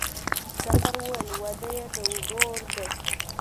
ډاکتر وويل واده يې د ورور دىه.